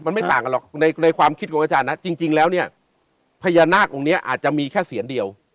มันไม่ต่างกันหรอกในความคิดของอาจารย์นะจริงแล้วเนี่ยพญานาคองค์นี้อาจจะมีแค่เสียนเดียว